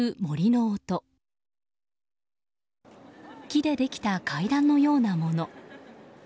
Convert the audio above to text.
木でできた階段のようなもの。